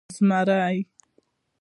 🦬 زمری